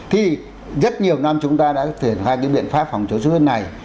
thì rất nhiều năm chúng ta đã thể hiện ra cái biện pháp phòng chốt huyết này